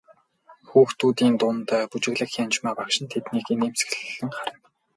Хүүхдүүдийн дунд бүжиглэх Янжмаа багш нь тэднийг инээмсэглэн харна.